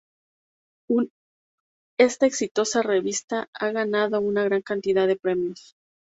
Esta exitosa revista ha ganado una gran cantidad de premios.